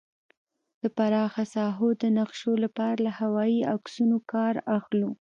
د پراخه ساحو د نقشو لپاره له هوايي عکسونو کار اخلو